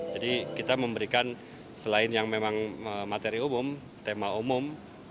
jadi kita memberikan selain yang memang materi umum tema umum